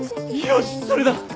よしそれだ！